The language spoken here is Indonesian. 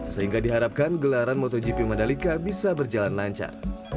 sehingga diharapkan gelaran motogp madalika bisa berjalan lancar